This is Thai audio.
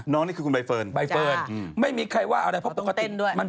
น้องนี่คือคุณไบเฟิร์น